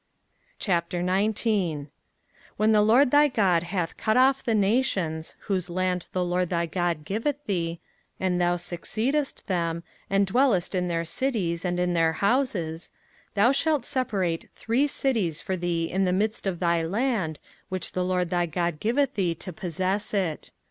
05:019:001 When the LORD thy God hath cut off the nations, whose land the LORD thy God giveth thee, and thou succeedest them, and dwellest in their cities, and in their houses; 05:019:002 Thou shalt separate three cities for thee in the midst of thy land, which the LORD thy God giveth thee to possess it.